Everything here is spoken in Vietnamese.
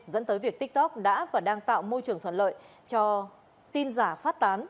dẫn tới việc tiktok đã và đang tạo môi trường thuận lợi cho tin giả phát tán